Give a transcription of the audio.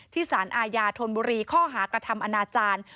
สารอาญาธนบุรีข้อหากระทำอนาจารย์